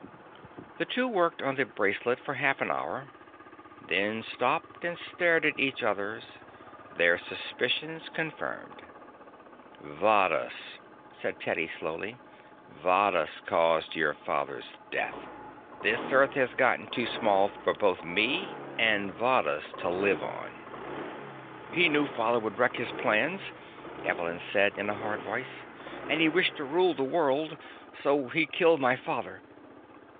The two worked on the bracelet for half an hour, then stopped and stared at each other, their suspicions confirmed. "Varrhus," said Teddy slowly. "Varrhus caused your father's death. This earth has gotten too small for both Varrhus and me to live on." "He knew father could wreck his plans," Evelyn said in a hard voice, "and he wished to rule the world. So he killed my father."